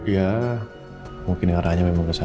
ya mungkin arahnya memang kesana